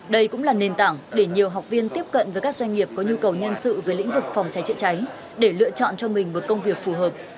đây cũng là nền tảng để nhiều học viên tiếp cận với các doanh nghiệp có nhu cầu nhân sự về lĩnh vực phòng cháy chữa cháy để lựa chọn cho mình một công việc phù hợp